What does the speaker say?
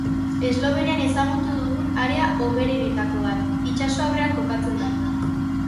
Eslovenian ezagutu dugun area hoberenetako bat. Itsaso aurrean kokatzen da.